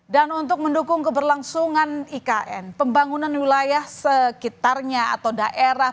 dan untuk mendukung keberlangsungan ikn pembangunan wilayah sekitarnya atau di sekitar ikn